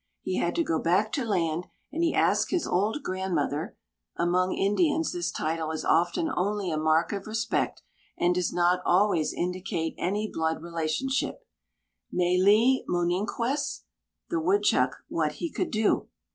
He had to go back to land, and he asked his old grandmother (among Indians this title is often only a mark of respect, and does not always indicate any blood relationship), "Māli Moninkwess" (the Woodchuck), what he could do.